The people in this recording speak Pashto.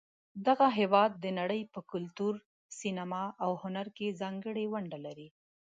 دغه هېواد د نړۍ په کلتور، سینما، او هنر کې ځانګړې ونډه لري.